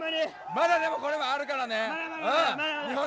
まだでもこれからあるからね。